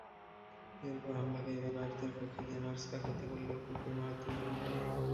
এরপর হামলাকারীরা নার্সদের কক্ষে গিয়ে নার্স কাকতি বলকেও কুপিয়ে মারাত্মক জখম করে।